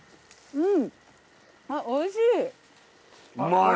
うん。